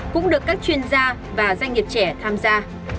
cũng được các chuyên gia và doanh nghiệp trẻ tham gia